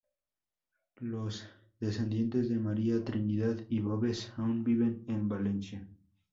Los descendientes de María Trinidad y Boves aún viven en Valencia.